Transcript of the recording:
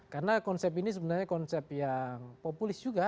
karena konsep ini sebenarnya konsep yang populis juga